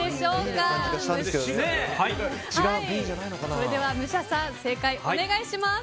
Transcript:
それでは、武者さん正解をお願いします。